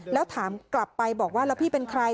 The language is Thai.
แล้วถามกลับไปบอกว่าแล้วพี่เป็นใคร